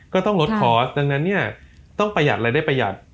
ก็ต้องลดคอร์สดังนั้นเนี่ยต้องประหยัดรายได้ประหยัด